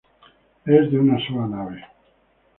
Es de una sola nave.